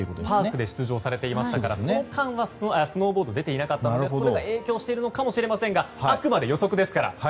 パークで出場されていたのでその間はスノーボードに出ていなかったのでそれが影響しているのかもしれませんがあくまで予測ですから。